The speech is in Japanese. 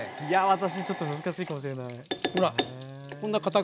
いや私ちょっと難しいかもしれない。